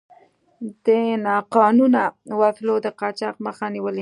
د ناقانونه وسلو د قاچاق مخه نیولې.